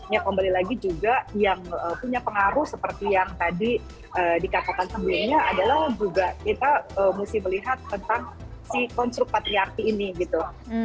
ya kembali lagi juga yang punya pengaruh seperti yang tadi dikatakan sebelumnya adalah juga kita mesti melihat tentang si konstruk patriarki ini gitu